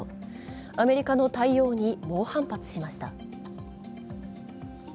アメリカの対応に猛反発しました。